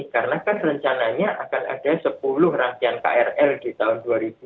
karena kan rencananya akan ada sepuluh rangsian krl di tahun dua ribu dua puluh tiga